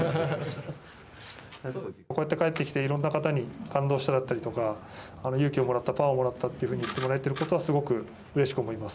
こうやって帰ってきていろんな方に感動しただったりとか勇気をもらったパワーをもらったと言ってもらえてることをすごくうれしく思います。